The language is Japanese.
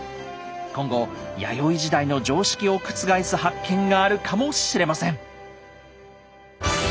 今後弥生時代の常識を覆す発見があるかもしれません。